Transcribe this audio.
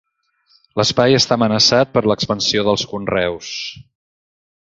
L'espai està amenaçat per l'expansió dels conreus.